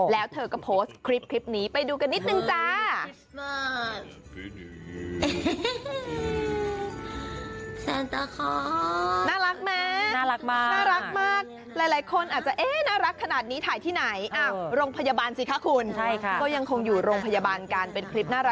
แล้วเธอก็โพสต์คลิปนี้ไปดูกันนิดนึงจ้า